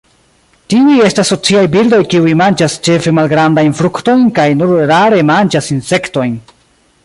Tiuj estas sociaj birdoj kiuj manĝas ĉefe malgrandajn fruktojn kaj nur rare manĝas insektojn.